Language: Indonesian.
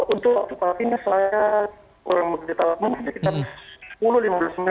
untuk waktu kali ini saya orang berdita mungkin sekitar sepuluh lima belas menit